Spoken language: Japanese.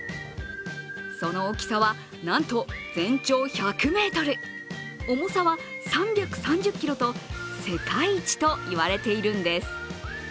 その大きさは、なんと全長１００ｍ、重さは３３０ｋｇと世界一といわれているんです。